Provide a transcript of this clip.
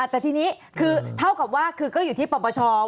แต่ทีนี้คือเท่ากับว่าคือก็อยู่ที่ปปช